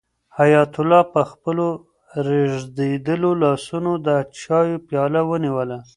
حیات الله په خپلو ریږېدلو لاسونو د چایو پیاله ونیوله.